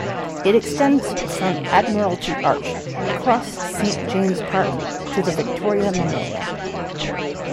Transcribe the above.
It extends from Admiralty Arch, across Saint James's Park to the Victoria Memorial.